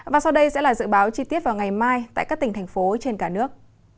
và sau đây sẽ là dự báo chi tiết vào ngày mai tại các tỉnh thành phố trên cả nước